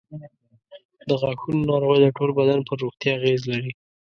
د غاښونو ناروغۍ د ټول بدن پر روغتیا اغېز لري.